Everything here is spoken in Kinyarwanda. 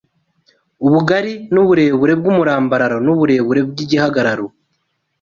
ubugari n’uburebure bw’umurambararo n’uburebure bw’igihagararo